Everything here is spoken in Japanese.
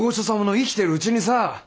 生きてるうちにさ